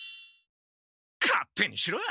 勝手にしろ。